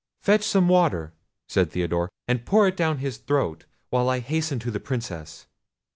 "Fetch some water," said Theodore, "and pour it down his throat, while I hasten to the Princess."